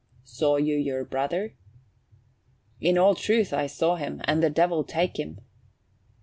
"Saw you your brother?" "In all truth I saw him and the Devil take him!"